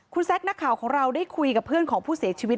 คุณแซคนักข่าวของเราได้คุยกับเพื่อนของผู้เสียชีวิต